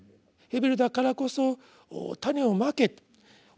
「ヘベル」だからこそ種を蒔けと。